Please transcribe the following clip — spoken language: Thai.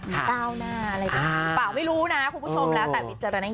๙หน้าอะไรแบบนี้